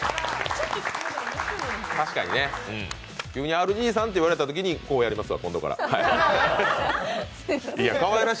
ＲＧさんと言われたときにこうやりますわ、今度から。